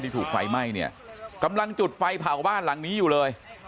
ที่ถูกไฟไม่เนี่ยกำลังจุดไฟเผาว่าหลังอยู่เลย